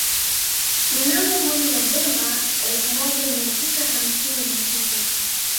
Mnamo mwezi Novemba elfu moja mia tisa hamsini na sita